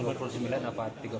mudah mudahan lah semuanya berdoa